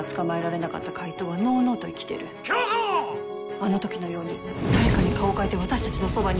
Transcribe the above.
あの時のように誰かに顔を変えて私たちのそばに。